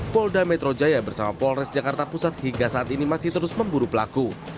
polda metro jaya bersama polres jakarta pusat hingga saat ini masih terus memburu pelaku